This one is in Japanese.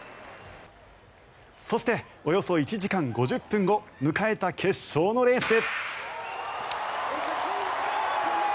そして、およそ１時間５０分後迎えた決勝のレース。